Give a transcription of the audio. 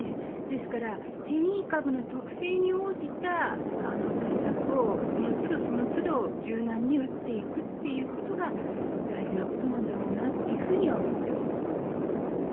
ですから変異株の特性に応じた対策を、そのつど柔軟に打っていくということが大事なことなんだろうなとは思っております。